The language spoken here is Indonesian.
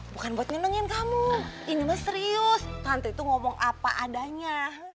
bukan buat nginengin kamu ini mah serius tante itu ngomong apa adanya